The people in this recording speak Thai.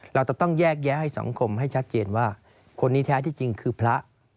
เราจะต้องแยกแยะให้สังคมให้ชัดเจนว่าคนนี้แท้ที่จริงคือพระ